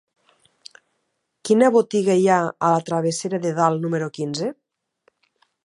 Quina botiga hi ha a la travessera de Dalt número quinze?